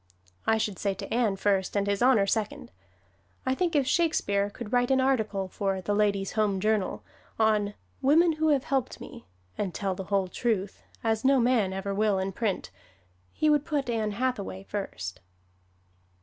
I should say to Ann first and His Honor second. I think if Shakespeare could write an article for "The Ladies' Home Journal" on "Women Who Have Helped Me," and tell the whole truth (as no man ever will in print), he would put Ann Hathaway first.